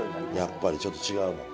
やっぱりちょっと違うもん。